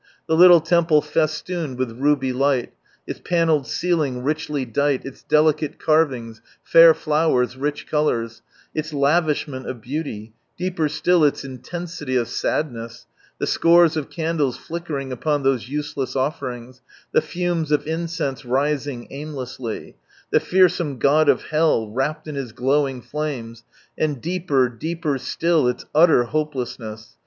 The little temple festooned with ruby light, its panelled ceiling " richly dight," its delicate carvings, fair flowers, rich colours ; its lavishment of beauty ;— deeper still, its intensity of sadness ; the scores of candles flickering upon those useless offerings, the fumes of incense rising aimlessly ; the fearsome god of hell, wrapped in his glowing flames ;— and deeper, deeper siill its utter hopelessness